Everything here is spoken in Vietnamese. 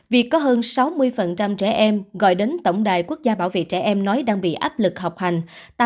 việc có hơn sáu mươi trẻ em gọi đến tổng đài quốc gia bảo vệ trẻ em nói đang bị áp lực học hành